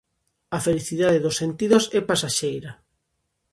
A felicidade dos sentidos é pasaxeira.